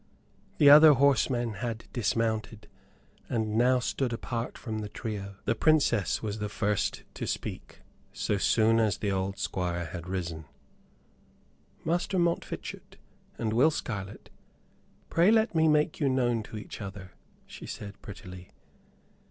The other horsemen had dismounted and now stood apart from the trio. The Princess was the first to speak, so soon as the old Squire had risen. "Master Montfichet and Will Scarlett, pray let me make you known to each other," she said, prettily.